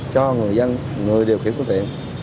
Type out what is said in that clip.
cho người dân người điều khiển quốc tiện